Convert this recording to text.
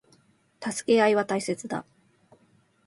助け合いは大切だ。